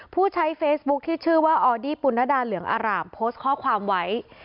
ผู้ใช้เฟซบุ๊คที่ชื่อว่าออดี้ปุณดาเหลืองอร่ามโพสต์ข้อความไว้